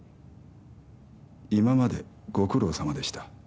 今までご苦労様でした。